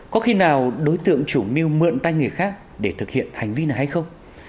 có khi nào đối tượng chủ mưu mượn tay người khác để thực hiện hành vi này hay không